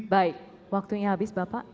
baik waktunya habis bapak